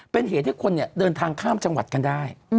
เป็นเหตุให้คนเดินทางข้ามจังหวัดกันได้